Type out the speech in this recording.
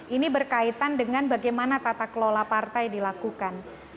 ini berkaitan dengan bagaimana tata kelola partai dilakukan